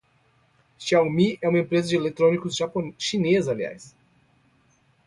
Xiaomi é uma empresa de eletrônicos chinesa.